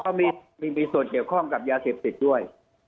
แล้วก็มีส่วนเกี่ยวข้องกับยาเสพสิทธิ์ด้วย